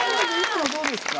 今のどうでした？